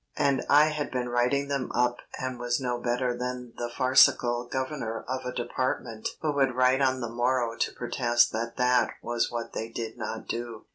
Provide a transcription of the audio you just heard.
And I had been writing them up and was no better than the farcical governor of a department who would write on the morrow to protest that that was what they did not do.